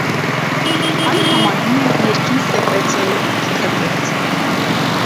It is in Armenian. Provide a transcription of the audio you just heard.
Այն համարվում է ներքին սեկրեցիայի թքագեղձ։